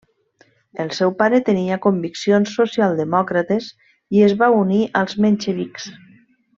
El seu pare tenia conviccions socialdemòcrates i es va unir als menxevics.